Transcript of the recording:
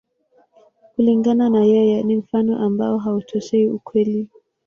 Kulingana na yeye, ni mfano ambao hautoshei ukweli.